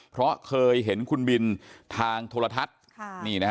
เพราะเคยเห็นคุณบินทางโทรทัศน์